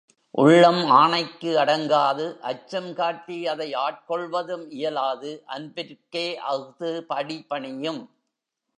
உள்ளம் ஆணைக்கு அடங்காது அச்சம் காட்டி அதை ஆட்கொள்வதும் இயலாது அன்பிற்கே அஃது அடிபணியும்.